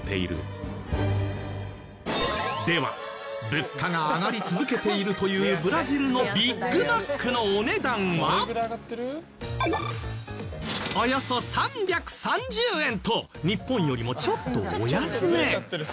では物価が上がり続けているというブラジルのビッグマックのお値段は？と日本よりもちょっとお安め。